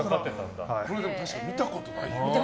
確かに見たことないよな。